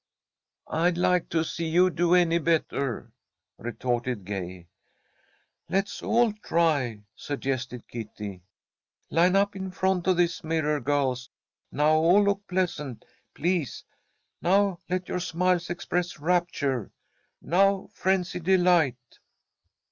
"I'd like to see you do any better," retorted Gay. "Let's all try," suggested Kitty. "Line up in front of this mirror, girls. Now all look pleasant, please. Now let your smiles express rapture. Now, frenzied delight!"